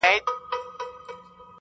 د سفارت په دهلېز کي